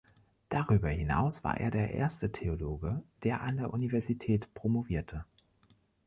Darüber hinaus war er der erste Theologe, der an der Universität promovierte.